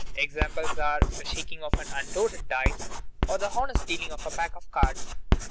Examples are the shaking of unloaded dice or the honest dealing of a pack of cards.